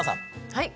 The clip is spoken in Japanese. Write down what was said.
はい。